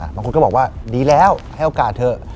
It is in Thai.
บางคนก็บอกว่าดีแล้วให้โอกาสเถอะ